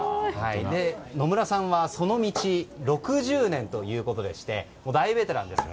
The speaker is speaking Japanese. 野村さんはその道６０年ということでして大ベテランです。